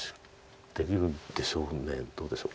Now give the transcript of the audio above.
出切るんでしょうねどうでしょうか。